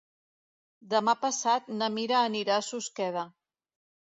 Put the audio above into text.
Demà passat na Mira anirà a Susqueda.